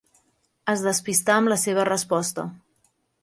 Es despistà amb la seva resposta.